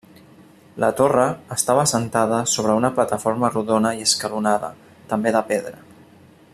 La Torre estava assentada sobre una plataforma rodona i escalonada, també de pedra.